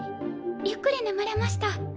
ゆっくり眠れました。